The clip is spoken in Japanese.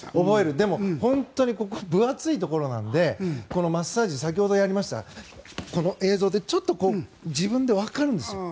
でも本当にここ、分厚いところなのでマッサージ先ほどやりました映像でちょっと自分でわかるんです。